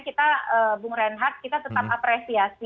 kita bung reinhardt kita tetap apresiasi